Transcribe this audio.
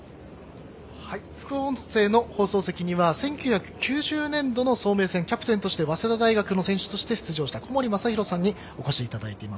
副音声の放送席には１９９０年度の早明戦キャプテンとして早稲田大学の選手として出場した小森允紘さんにお越しいただいています。